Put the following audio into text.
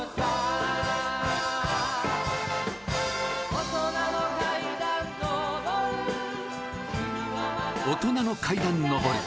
「大人の階段昇る」「大人の階段昇る」。